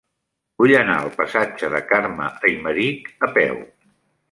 Vull anar al passatge de Carme Aymerich a peu.